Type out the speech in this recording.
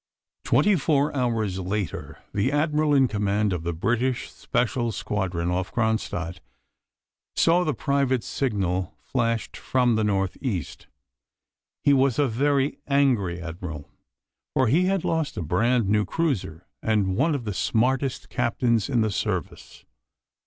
Twenty four hours later the Admiral in command of the British Special Squadron off Kronstadt saw the private signal flashed from the north east. He was a very angry Admiral, for he had lost a brand new cruiser and one of the smartest captains in the Service.